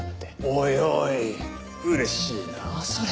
おいおい嬉しいなあそれ。